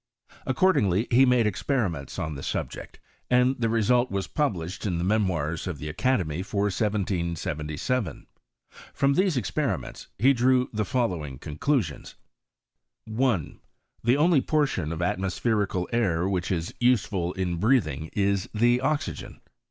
Accordingly, he made experiments on the subject, and the result was published in the Memoirs of the Academy, for 1777. From these experiments he drew the following conclusions ; 1. The only portion of atmospherical air which is useful in breathing is the oxygen.